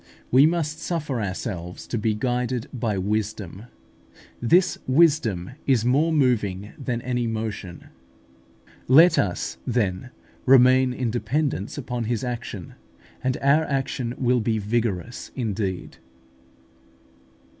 We must suffer ourselves to be guided by Wisdom. This "Wisdom" is more moving than any motion (Wisdom of Solomon vii. 24). Let us, then, remain in dependence upon His action, and our action will be vigorous indeed.